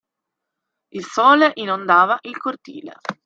Il sole inondava il cortile.